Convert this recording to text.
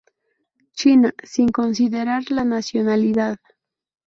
China, sin considerar la nacionalidad.